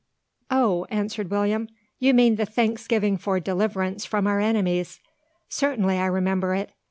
"O," answered William, "you mean the `Thanksgiving for Deliverance from our Enemies.' Certainly I remember it.